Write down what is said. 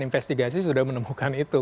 investigasi sudah menemukan itu